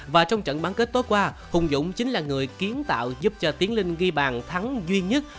và trong trận bán kết tối qua hùng dũng chính là người kiến tạo giúp cho tiến linh ghi bàn thắng duy nhất